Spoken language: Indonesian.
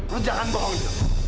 lu jangan bohong jok